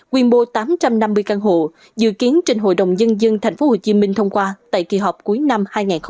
quy mô tám trăm năm mươi căn hộ dự kiến trên hội đồng dân dân tp hcm thông qua tại kỳ họp cuối năm hai nghìn hai mươi